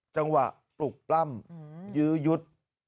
จังหวะปลุกปล้ำยื้อยุด